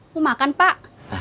mau makan pak